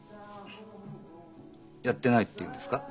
やってないって言うんですか？